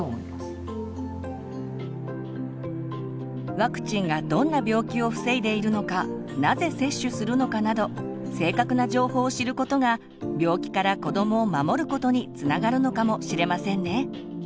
ワクチンがどんな病気を防いでいるのかなぜ接種するのかなど正確な情報を知ることが病気から子どもを守ることにつながるのかもしれませんね。